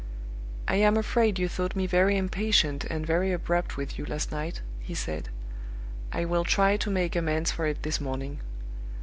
"I am afraid you thought me very impatient and very abrupt with you last night," he said. "I will try to make amends for it this morning.